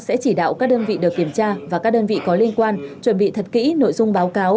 sẽ chỉ đạo các đơn vị được kiểm tra và các đơn vị có liên quan chuẩn bị thật kỹ nội dung báo cáo